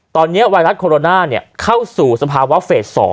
ตอนนี้ไวรัสโคโรนาเข้าสู่สภาวะเฟส๒